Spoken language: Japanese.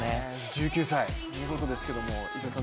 １９歳、見事ですけど糸井さん